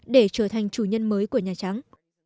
để trở thành chủ nhân mới của nhà trắng